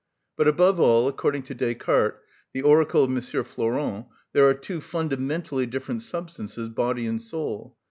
But above all, according to Descartes, the oracle of M. Flourens, there are two fundamentally different substances, body and soul.